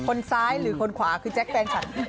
คนซ้ายหรือคนขวาคือแจ๊คแฟนฉัน